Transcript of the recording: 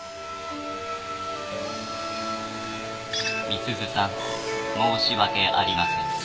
美鈴さん申し訳ありません。